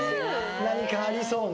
何かありそうな。